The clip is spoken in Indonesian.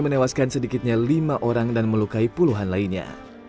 menewaskan sedikitnya lima orang dan melukai puluhan lainnya